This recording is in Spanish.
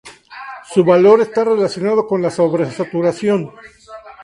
Su valor está relacionado con la sobresaturación.